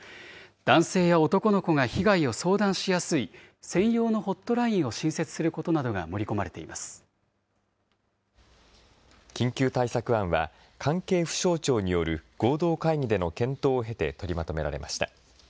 男性や男の子が被害を相談しやすい専用のホットラインを新設する緊急対策案は、関係府省庁による合同会議での検討を経て、取りまとめられました。